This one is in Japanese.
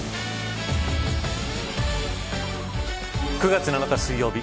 ９月７日水曜日